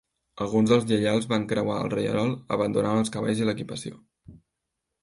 Alguns dels lleials van creuar el rierol, abandonant els cavalls i l'equipació.